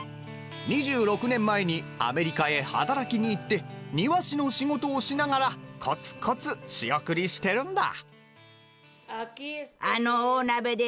２６年前にアメリカへ働きに行って庭師の仕事をしながらコツコツ仕送りしてるんだ。